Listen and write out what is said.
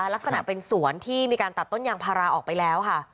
ลักษณะเป็นสวนที่มีการตัดต้นยางพาราออกไปแล้วค่ะ